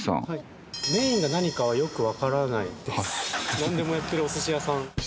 なんでもやってるお寿司屋さん。